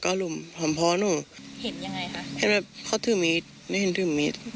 กี่คนครับที่ถือ